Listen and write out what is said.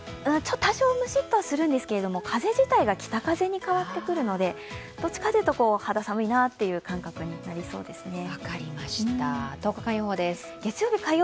多少ムシッとするんですけど、風自体が北風に変わってくるのでどちらかというと、肌寒いなという感覚になりそうですね。